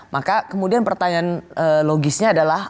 maka kemudian pertanyaan logisnya adalah